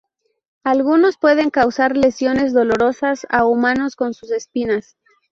Algunos pueden causar lesiones dolorosas a humanos con sus espinas.